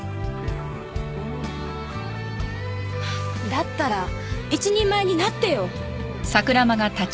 だったら一人前になってよ。